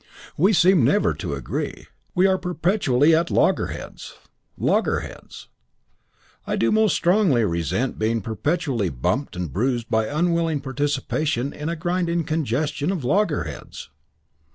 "We seem never to agree. We are perpetually at loggerheads. Loggerheads. I do most strongly resent being perpetually bumped and bruised by unwilling participation in a grinding congestion of loggerheads."